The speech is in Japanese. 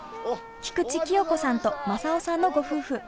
菊池清子さんと政雄さんのご夫婦。